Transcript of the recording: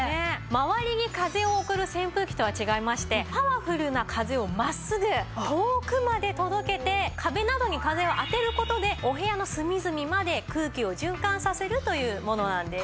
周りに風を送る扇風機とは違いましてパワフルな風を真っすぐ遠くまで届けて壁などに風を当てる事でお部屋の隅々まで空気を循環させるというものなんです。